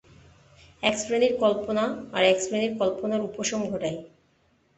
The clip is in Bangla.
এক শ্রেণীর কল্পনা আর এক শ্রেণীর কল্পনার উপশম ঘটায়।